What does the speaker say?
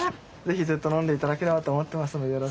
ぜひずっと飲んでいただければと思ってますので。